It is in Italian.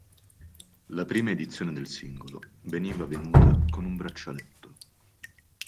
La prima edizione del singolo veniva venuta con un braccialetto.